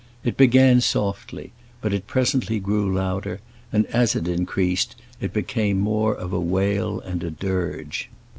It began softly, but it presently grew louder, and as it increased it became more of a wail and a dirge.